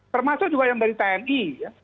termasuk juga yang dari tni